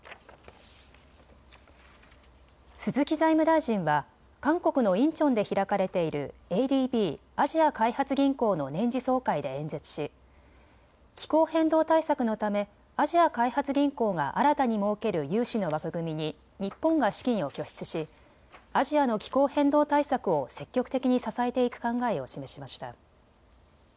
鈴木財務大臣は韓国のインチョンで開かれているＡＤＢ・アジア開発銀行の年次総会で演説し気候変動対策のためアジア開発銀行が新たに設ける融資の枠組みに日本が資金を拠出しアジアの気候変動対策を積極的に支えていく考えを示しました。